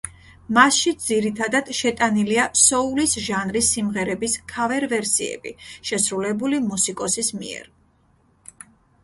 მასში ძირითადად შეტანილია სოულის ჟანრის სიმღერების ქავერ-ვერსიები, შესრულებული მუსიკოსის მიერ.